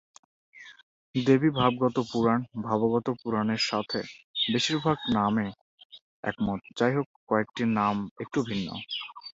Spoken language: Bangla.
দেবীভাগবত পুরাণ, ভাগবত পুরাণের সাথে বেশিরভাগ নামে একমত; যাইহোক, কয়েকটি নাম একটু ভিন্ন।